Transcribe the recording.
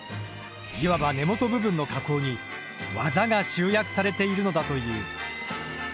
いわば根元部分の加工に技が集約されているのだという。